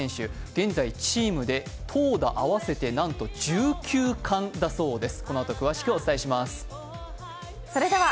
現在、チームで投打合わせてなんと１９冠だそうです。